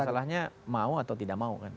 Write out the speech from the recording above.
masalahnya mau atau tidak mau kan